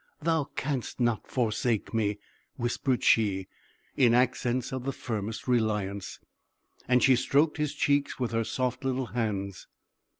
"Thou canst not forsake me!" whispered she, in accents of the firmest reliance; and she stroked his cheeks with her soft little hands.